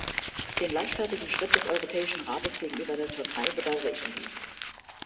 Den leichtfertigen Schritt des Europäischen Rates gegenüber der Türkei bedauere ich hingegen.